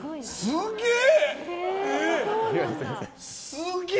すげえ。